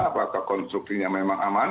apakah konstruksinya memang aman